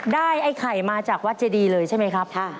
ไอ้ไข่มาจากวัดเจดีเลยใช่ไหมครับ